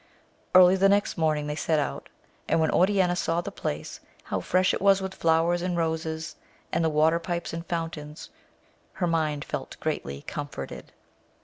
Early the next morning they set out, and when Oriana saw the place, how fresh it was with flowers and roses, and the water pipes and fountains, her mind felt greatly comforted.